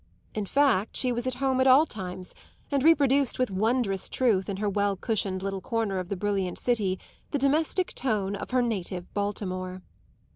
In fact she was at home at all times, and reproduced with wondrous truth in her well cushioned little corner of the brilliant city, the domestic tone of her native Baltimore.